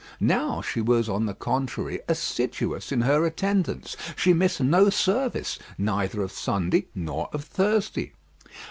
Now she was, on the contrary, assiduous in her attendance. She missed no service, neither of Sunday nor of Thursday.